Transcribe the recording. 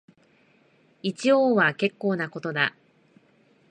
一応は結構なことだ